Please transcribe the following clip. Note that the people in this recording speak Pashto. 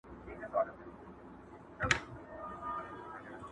• دنظم عنوان دی قاضي او څارنوال.